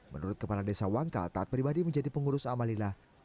menurut kepala desa wangkal taat pribadi menjadi pengurus amalilah